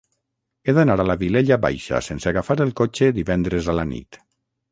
He d'anar a la Vilella Baixa sense agafar el cotxe divendres a la nit.